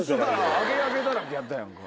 アゲアゲだらけやったやんか。